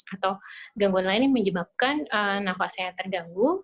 atau gangguan lain yang menyebabkan nafasnya terganggu